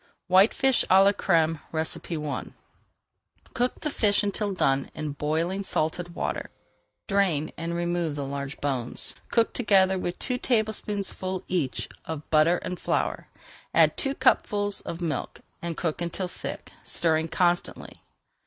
WHITEFISH À LA CRÈME I Cook the fish until done in boiling salted water, drain, and remove the large bones. Cook together two tablespoonfuls each of butter and flour, add two cupfuls of milk, and cook until thick, stirring constantly.